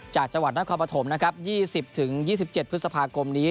จากจังหวัดนักคอปภรรณ์นะครับยี่สิบถึงยี่สิบเจ็ดพฤษภาคมนี้